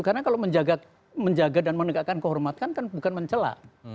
karena kalau menjaga dan menegakkan kehormatan kan bukan mencela